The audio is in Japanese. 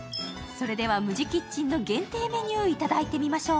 それでは、ＭＵＪＩＫｉｔｃｈｅｎの限定メニューいただいてみましょう。